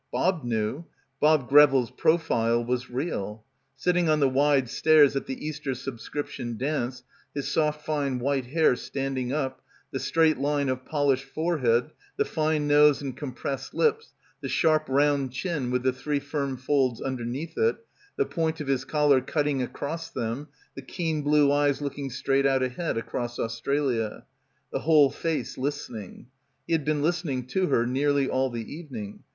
Bob knew. Bob Greville's profile was real. Sitting on the wide stairs at the Easter Subscription Dance, his soft fine white hair standing up, the straight line of polished forehead, the fine nose and compressed lips, the sharp round chin with the three firm folds underneath it, the point of his collar cutting across them, the keen blue eyes looking straight out ahead, across Australia. The whole face listening. He had been listening to her nearly all the evening.